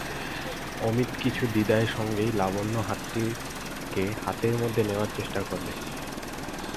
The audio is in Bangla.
অমিত কিছু দ্বিধার সঙ্গেই লাবণ্যর হাতটিকে হাতের মধ্যে নেবার চেষ্টা করলে।